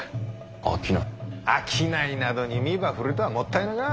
商いなどに身ば振るとはもったいなか。